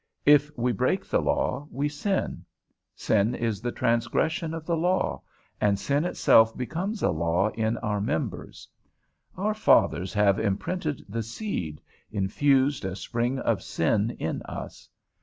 If we break the law, we sin; sin is the transgression of the law; and sin itself becomes a law in our members. Our fathers have imprinted the seed, infused a spring of sin in us.